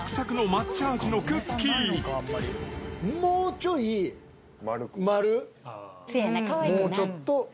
もうちょい丸。